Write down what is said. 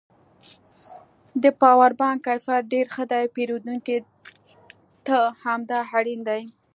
د پاور بانک کیفیت ډېر ښه دی پېرودونکو ته همدا اړین دی